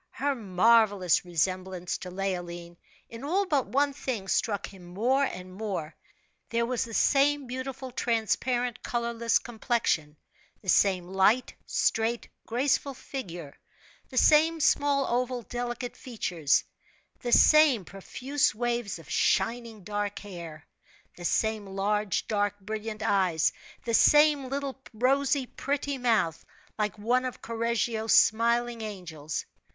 Her marvelous resemblance to Leoline, in all but one thing, struck him more and more there was the same beautiful transparent colorless complexion, the same light, straight, graceful figure, the same small oval delicate features; the same profuse waves of shining dark hair, the same large, dark, brilliant eyes; the same, little, rosy pretty mouth, like one of Correggio's smiling angels.